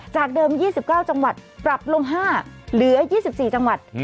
จากเดิม๒๙จังหวัดปรับลง๕เหลือ๒๔จังหวัด